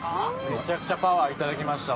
めちゃくちゃパワーいただきました、